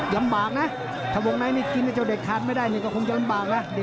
ลำบากนะถ้าวงในนี่กินไอ้เจ้าเด็กทานไม่ได้นี่ก็คงจะลำบากนะ